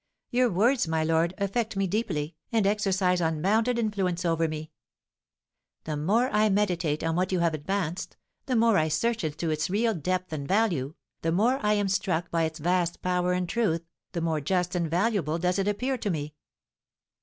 Your words, my lord, affect me deeply, and exercise unbounded influence over me. The more I meditate on what you have advanced, the more I search into its real depth and value, the more I am struck by its vast power and truth, the more just and valuable does it appear to me.